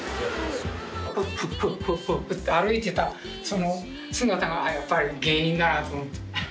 フッフッフッフッって歩いてたその姿がやっぱり芸人だなと思って。